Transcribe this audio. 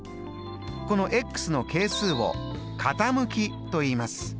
このの係数を傾きといいます。